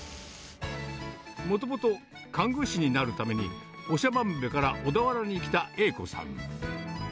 もともと看護師になるために、長万部から小田原に来た、栄子さん。